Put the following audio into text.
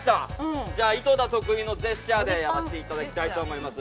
井戸田得意のジェスチャーでやらせていただきます。